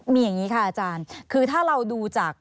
มีอย่างนี้ค่ะอาจารย์คือถ้าเราดูจาก